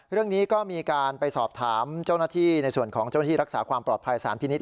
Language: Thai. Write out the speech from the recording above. เรื่องนี้ก็มีการไปสอบถามเจ้าหน้าที่ในส่วนของเจ้าหน้าที่รักษาความปลอดภัยสารพินิษฐ